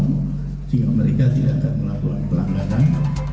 sehingga mereka tidak akan melakukan hal hal yang tidak diperlukan